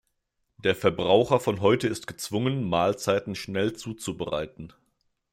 Der Verbraucher von heute ist gezwungen, Mahlzeiten schnell zuzubereiten.